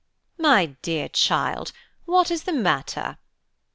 "My dear child! what is the matter?"